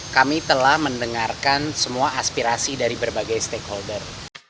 kami telah mendengarkan semua aspirasi dari berbagai stakeholder